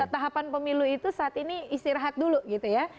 tahapan pemilu itu saat ini istirahat dulu gitu ya